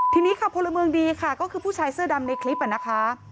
ทีนี้ค่ะพลเมืองดีค่ะก็คือผู้ชายเสื้อดำในคลิปนะคะ